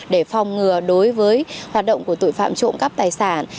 để phòng ngừa đối với hoạt động của tội phạm trộm cắp tài sản